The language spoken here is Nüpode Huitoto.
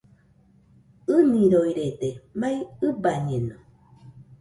ɨniroirede, mai ɨbañeno